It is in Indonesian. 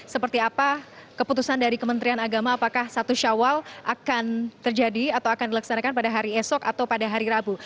seperti apa keputusan dari kementerian agama apakah satu syawal akan terjadi atau akan dilaksanakan pada hari esok atau pada hari rabu